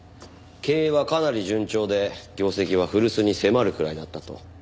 経営はかなり順調で業績は古巣に迫るくらいだったと。